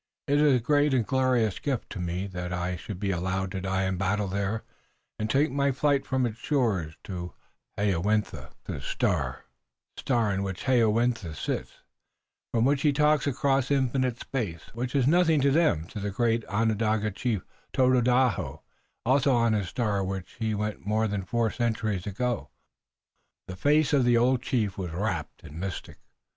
It is a great and glorious gift to me that I should be allowed to die in battle there and take my flight from its shores to Hayowentha's star, the star on which Hayowentha sits, and from which he talks across infinite space, which is nothing to them, to the great Onondaga chieftain Tododaho, also on his star to which he went more than four centuries ago." The face of the old chief was rapt and mystic.